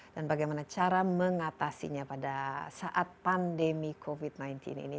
dan bagaimana cara mengatasinya pada saat pandemi covid sembilan belas ini